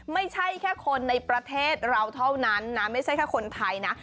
ไม่ใช่แค่คนในประเทศเราเท่านั้นนะไม่ใช่แค่คนไทยนะ